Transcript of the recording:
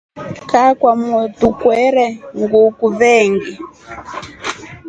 Kaa kwamotru kwetre nguku veengi.